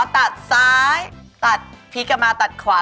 อ๋อตัดซ้ายตัดพลิกมาตัดขวา